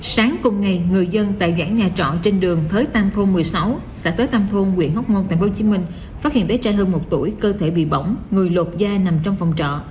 sáng cùng ngày người dân tại gãn nhà trọ trên đường thới tam thôn một mươi sáu xã tới tam thôn nguyễn hóc môn tp hcm phát hiện bé trai hơn một tuổi cơ thể bị bỏng người lột da nằm trong phòng trọ